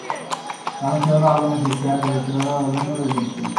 কারণ সে হলো আগুনের সৃষ্টি আর ফেরেশতারা হলেন নূরের সৃষ্টি।